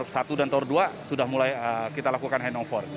satu dan tower dua sudah mulai kita lakukan handover